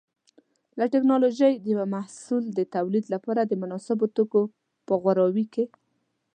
د ټېکنالوجۍ د یو محصول د تولید لپاره د مناسبو توکو په غوراوي کې.